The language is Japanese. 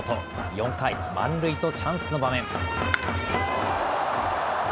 ４回、満塁とチャンスの場面。